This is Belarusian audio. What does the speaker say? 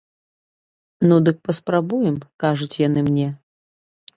Ну дык мы паспрабуем, кажуць яны мне.